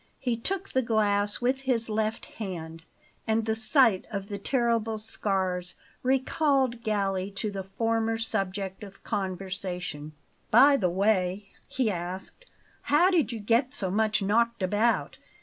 He took the glass with his left hand, and the sight of the terrible scars recalled Galli to the former subject of conversation. "By the way," he asked; "how did you get so much knocked about?